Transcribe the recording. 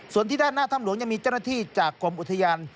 ส่วนที่ด้านหน้าถ้ำหลวงยังมีเจ้าหน้าที่จากกรมอุทยาน